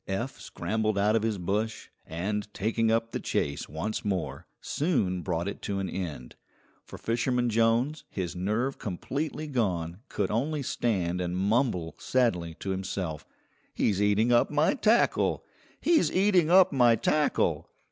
Eph scrambled out of his bush, and, taking up the chase once more, soon brought it to an end, for Fisherman Jones, his nerve completely gone, could only stand and mumble sadly to himself, "He's eating up my tackle! He's eating up my tackle!"